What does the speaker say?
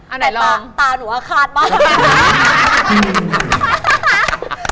อันไหนลองผมแต่ตาหนูอะคราดมาก